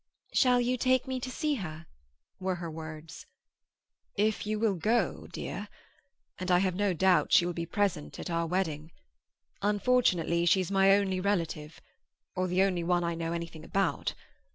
"Shall you take me to see her?" were her words. "If you will go, dear. And I have no doubt she will be present at our wedding. Unfortunately, she's my only relative; or the only one I know anything about.